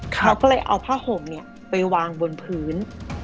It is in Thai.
เขาก็เลยเอาผ้าห่มไปวางบนพื้น